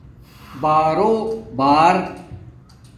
بارݸ بݳر